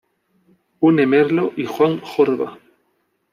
Une Merlo y Juan Jorba.